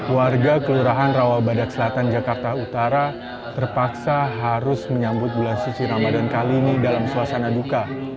warga kelurahan rawabadak selatan jakarta utara terpaksa harus menyambut bulan suci ramadan kali ini dalam suasana duka